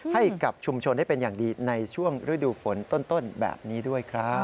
ให้กับชุมชนได้เป็นอย่างดีในช่วงฤดูฝนต้นแบบนี้ด้วยครับ